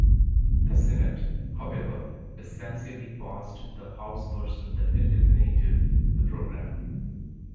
The Senate, however, essentially passed the House version that eliminated the program.